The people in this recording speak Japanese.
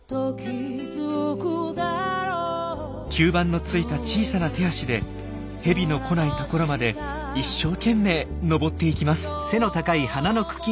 吸盤のついた小さな手足でヘビの来ないところまで一生懸命登っていきます。